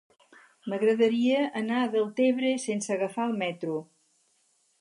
M'agradaria anar a Deltebre sense agafar el metro.